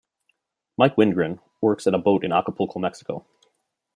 Mike Windgren works on a boat in Acapulco, Mexico.